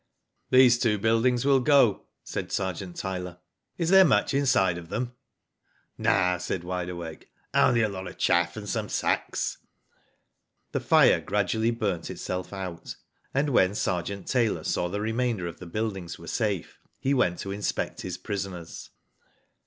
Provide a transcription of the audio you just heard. These two buildings will go," said Sergeant Tyler. Is there much inside of them?" *'No/' said Wide Awake. Only a lot of chaff and some sacks." The fire gradually burnt itself out, and when Sergeant Tyler saw the remainder of the build ings were safe, he went to inspect his prisoners.